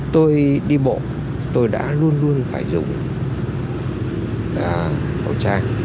tôi đi bộ tôi đã luôn luôn phải dùng khẩu trang